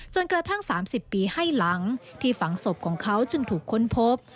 กระทั่ง๓๐ปีให้หลังที่ฝังศพของเขาจึงถูกค้นพบ